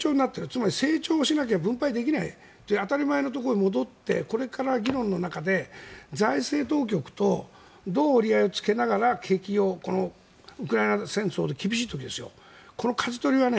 つまり、成長しなければ分配できないという当たり前のところに戻ってこれからは財政当局とどう折り合いをつけながら景気をウクライナ戦争で厳しい時です、このかじ取りは。